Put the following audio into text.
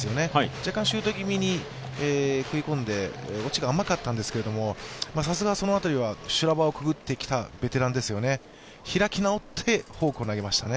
若干シュート気味に食い込んで落ちが甘かったんですけどさすがは、その辺りは修羅場をくぐってきたベテランですよね、開き直ってフォークを投げましたね。